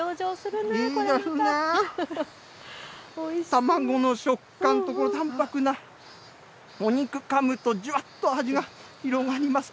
卵の食感と、この淡白なお肉、かむとじゅわっと味が広がります。